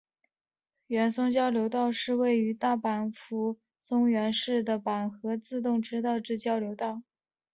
松原交流道是位于大阪府松原市的阪和自动车道之交流道。